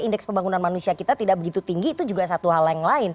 indeks pembangunan manusia kita tidak begitu tinggi itu juga satu hal yang lain